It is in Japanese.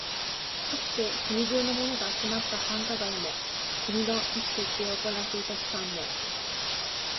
かつて国中のものが集まった繁華街も、国の意思決定を行っていた機関も、